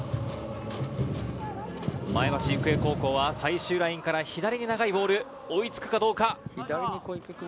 前橋育英高校は最終ラインから左に長いボール、追いつくかどうか。